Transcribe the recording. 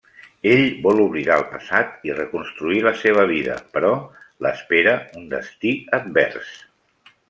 Ell vol oblidar el passat i reconstruir la seva vida, però l'espera un destí advers.